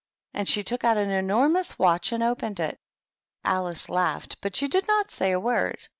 And she took out an enormous watch and opened it. Alice laughed, but she did not say a word.